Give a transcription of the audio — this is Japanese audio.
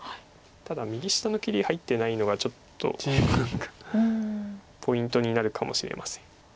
ただ右下の切り入ってないのがちょっと何かポイントになるかもしれません。